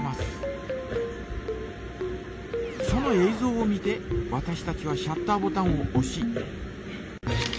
ぞうを見てわたしたちはシャッターボタンをおし。